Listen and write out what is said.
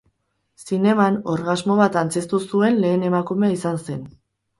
Zineman, orgasmo bat antzeztu zuen lehen emakumea izan zen.